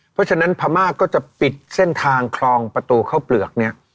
เพราะฉะนั้นพม่าก็จะปิดเส้นทางคลองประตูเข้าเปลือกเนี่ย